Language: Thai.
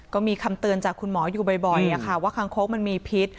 ก็มีคำเตือนจากคุณหมออยู่บ่อยว่าคางคกมันมีพิษ